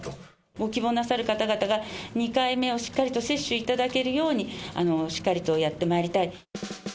ご希望なさる方々が２回目をしっかりと接種いただけるように、しっかりとやってまいりたいと。